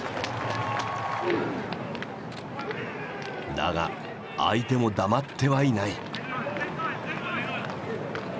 だが相手も黙ってはいない。